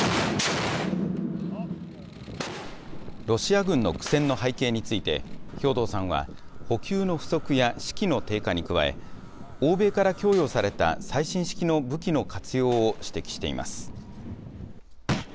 ロシア軍の苦戦の背景について、兵頭さんは、補給の不足や士気の低下に加え、欧米から供与された最新式の武器の活用を指摘しています。